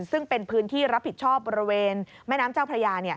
ซึ่งเป็นพื้นที่รับผิดชอบบริเวณแม่น้ำเจ้าพระยา